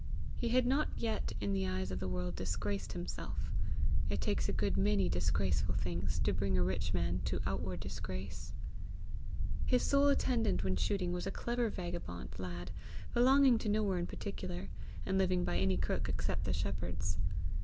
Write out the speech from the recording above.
He had not yet in the eyes of the world disgraced himself: it takes a good many disgraceful things to bring a rich man to outward disgrace. His sole attendant when shooting was a clever vagabond lad belonging to nowhere in particular, and living by any crook except the shepherd's.